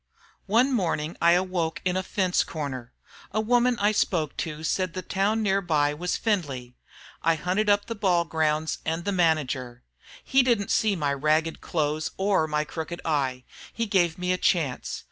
"One morning I awoke in a fence corner. A woman I spoke to said the town near by was Findlay. I hunted up the ball grounds and the manager. He didn't see my ragged clothes or my crooked eye. He gave me a chance.